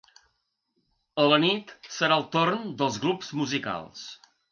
A la nit serà el torn dels grups musicals.